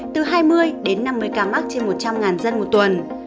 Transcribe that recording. từ hai mươi đến năm mươi ca mắc trên một trăm linh dân một tuần